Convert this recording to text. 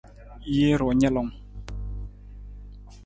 Jee ru nalung.